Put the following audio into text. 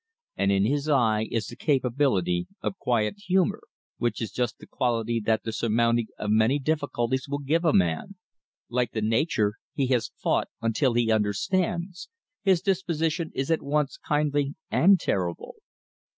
And in his eye is the capability of quiet humor, which is just the quality that the surmounting of many difficulties will give a man. Like the nature he has fought until he understands, his disposition is at once kindly and terrible.